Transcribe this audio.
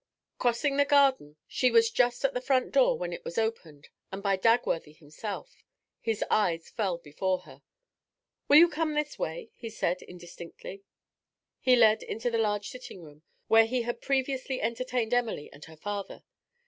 Crossing the garden, she was just at the front door, when it was opened, and by Dagworthy himself. His eyes fell before her. 'Will you come this way?' he said, indistinctly. He led into the large sitting room where he had previously entertained Emily and her father.